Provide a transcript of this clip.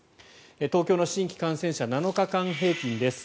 東京の新規感染者７日間平均です。